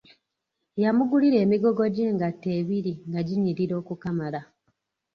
Yamugulira emigoggo gy'engato ebiri nga ginyirira okukamala.